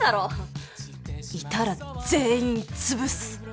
心の声いたら全員潰す。